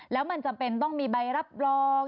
แล้วมันจำเป็นต้องมีใบรับรอง